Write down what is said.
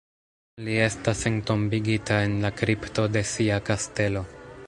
Li estas entombigita en la kripto de sia kastelo.